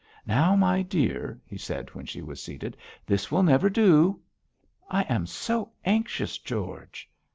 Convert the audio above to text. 'Now, my dear,' he said, when she was seated, 'this will never do.' 'I am so anxious, George!'